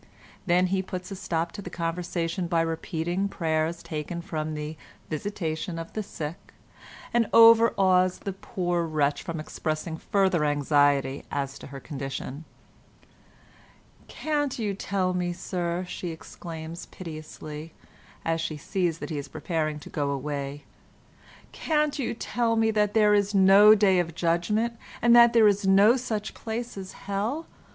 Then he puts a stop to the conversation by repeating prayers taken from the "Visitation of the Sick," and overawes the poor wretch from expressing further anxiety as to her condition. "Can't you tell me, Sir," she exclaims piteously, as she sees that he is preparing to go away, "can't you tell me that there is no Day of Judgement, and that there is no such place as Hell?